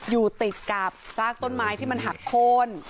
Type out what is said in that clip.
อยู่ติดกับซากต้นไม้ที่มันหักโค้น